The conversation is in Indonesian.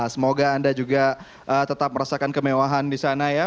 semoga anda juga tetap merasakan kemewahan di sana ya